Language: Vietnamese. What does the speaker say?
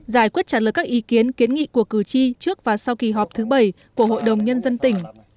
giải quyết trả lời các ý kiến kiến nghị của cử tri trước và sau kỳ họp thứ bảy của hội đồng nhân dân tỉnh